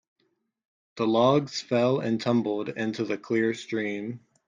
The logs fell and tumbled into the clear stream.